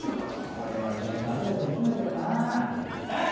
これは意外とありだと思うんだけどな。なぁ？